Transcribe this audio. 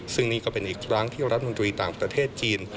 ซึ่งนี่ก็เป็นอีกครั้งที่รัฐมนตรีต่างประเทศจีน